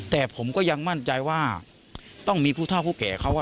แต่ผมก็ยังมั่นใจว่าต้องมีผู้เท่าผู้แก่เขา